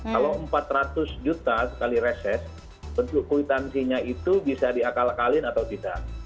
kalau empat ratus juta sekali reses bentuk kwitansinya itu bisa diakal akalin atau tidak